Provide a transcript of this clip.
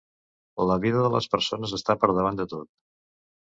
La vida de les persones està per davant de tot.